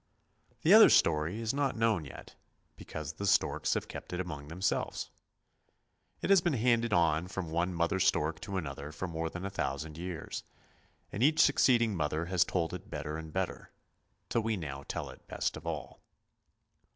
The other story is not known yet, because the storks have kept it among themselves. It has been handed on from one mother stork to another for more than a thousand years, and each succeeding mother has told it better and better, till we now tell it best of all.